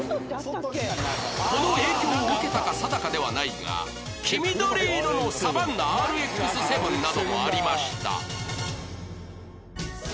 この影響を受けたか定かではないが黄緑色のサバンナ ＲＸ−７ などもありました